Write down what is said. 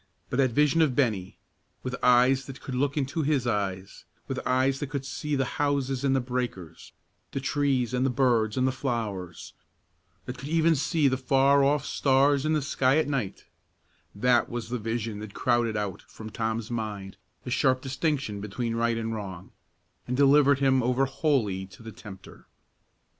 But that vision of Bennie, with eyes that could look into his eyes, with eyes that could see the houses and the breakers, the trees and the birds and the flowers, that could even see the far off stars in the sky at night, that was the vision that crowded out from Tom's mind the sharp distinction between right and wrong, and delivered him over wholly to the tempter.